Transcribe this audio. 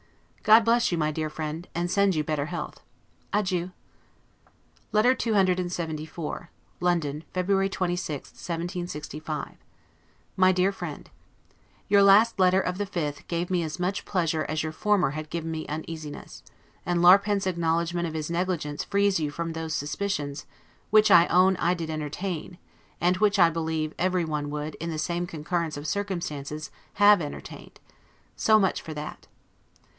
God bless you, my dear friend! and send you better health! Adieu. LETTER CCLXXIV LONDON, February 26, 1765 MY DEAR FRIEND: Your last letter, of the 5th, gave me as much pleasure as your former had given me uneasiness; and Larpent's acknowledgment of his negligence frees you from those suspicions, which I own I did entertain, and which I believe every one would, in the same concurrence of circumstances, have entertained. So much for that.